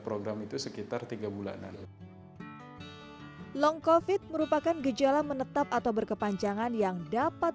program itu sekitar tiga bulanan long covid merupakan gejala menetap atau berkepanjangan yang dapat